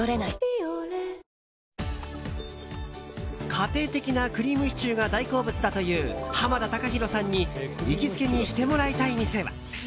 家庭的なクリームシチューが大好物だという濱田崇裕さんに行きつけにしてもらいたい店は。